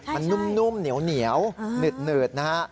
มันนุ่มเหนียวหนืดนะฮะ